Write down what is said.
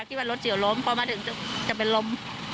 ที่ว่ารถเฉียวล้มพอมาถึงจะเป็นลม